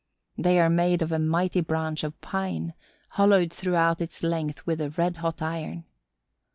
They are made of a mighty branch of pine, hollowed throughout its length with a red hot iron.